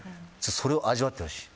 それを味わってほしい。